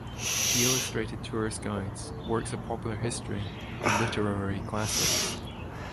He illustrated tourist guides, works of popular history, and literary classics.